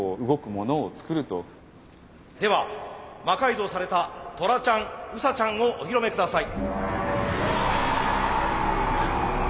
では魔改造されたトラちゃんウサちゃんをお披露目下さい。